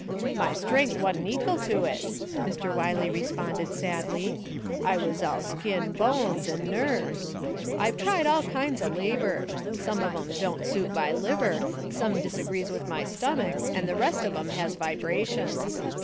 "'My strength wa'n't ekal to it,' Mr. Wiley re sponded sadly. 'I was all skin, bones, an' nerve. ...' 'I've tried all kinds o' labor. Some of 'em don't suit my liver, some disagrees with my stomach, and the rest of 'em has vibrations.'